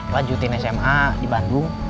lanjutin sma di bandung